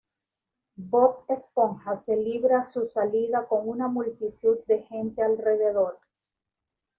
Bob Esponja se libra su salida con una multitud de gente alrededor.